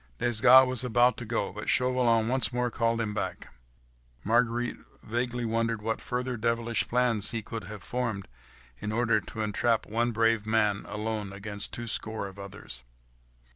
Desgas was about to go, but Chauvelin once more called him back. Marguerite vaguely wondered what further devilish plans he could have formed, in order to entrap one brave man, alone, against two score of others.